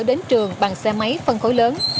đến trường bằng xe máy phân khối lớn